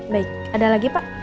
baik ada lagi pak